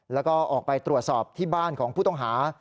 แล้วก็ออกไปตรวจสอบที่บ้านของผู้ต้องหา